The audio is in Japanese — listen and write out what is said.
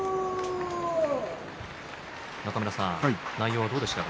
中村さん、内容はどうでしたか？